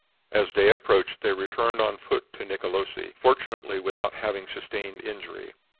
As day approached they returned on foot to Nicolosi, fortunately without having sustained injury.